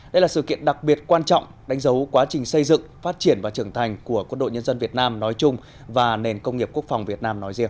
đây là sự kiện đặc biệt quan trọng đánh dấu quá trình xây dựng phát triển và trưởng thành của quân đội nhân dân việt nam nói chung và nền công nghiệp quốc phòng việt nam nói riêng